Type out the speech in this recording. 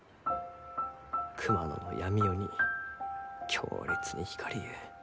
熊野の闇夜に強烈に光りゆう。